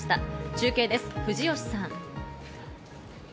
中継です、藤吉さん。